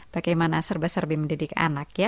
bagaimana serba serbi mendidik anak ya